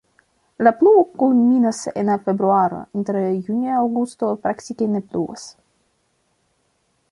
La pluvo kulminas en februaro, inter junio-aŭgusto praktike ne pluvas.